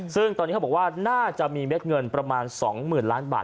ซึ่งตอนนี้เขาบอกว่าน่าจะมีเม็ดเงินประมาณ๒๐๐๐ล้านบาท